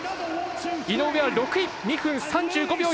井上は６位、２分３５秒１０。